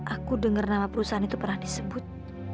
aku dengar nama perusahaan itu pernah disebut